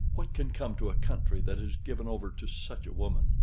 What can come to a country that is given over to such a woman?"